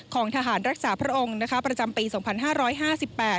ของทหารรักษาพระองค์ประจำปี๒๕๕๘